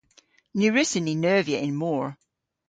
Ny wrussyn ni neuvya y'n mor.